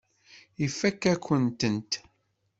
Ifakk-akent-tent.